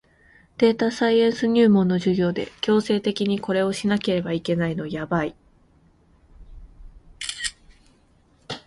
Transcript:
データサイエンス入門の授業で強制的にこれをしなければいけないのやばい